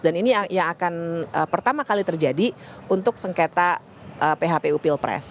dan ini yang akan pertama kali terjadi untuk sengketa phpu pilpres